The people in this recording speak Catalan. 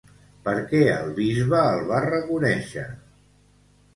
Per què el bisbe el va reconèixer?